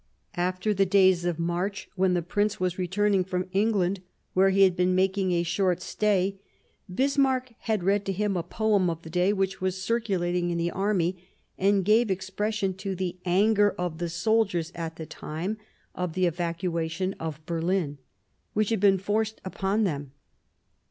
After the days of March, when the Prince was returning from England, where he had been making a short stay, Bismarck had read to him a poem of the day which was circulating in the army and gave expression to the anger of the soldiers at the time of the evacuation of Berlin, which had been forced upon them.